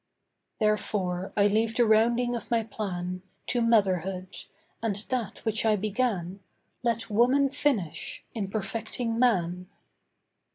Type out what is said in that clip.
'Therefore I leave the rounding of My plan To Motherhood; and that which I began Let woman finish in perfecting man.